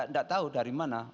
tidak tahu dari mana